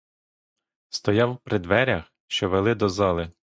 Стояв при дверях, що вели до зали.